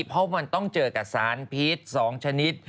เพราะมันต้องเจอกับสารพิษ๒ชนิด